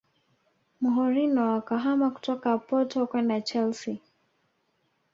Mourinho akahama kutoka porto kwenda Chelsea